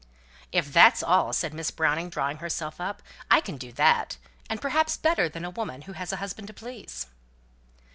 "If that's all!" said Miss Browning, drawing herself up, "I can do that; and, perhaps, better than a woman who has a husband to please."